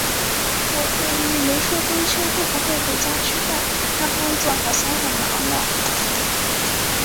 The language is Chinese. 我闺女没说中秋会不会回家吃饭，她工作好像很忙呢。